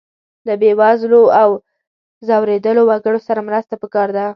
له بې وزلو او ځورېدلو وګړو سره مرسته پکار ده.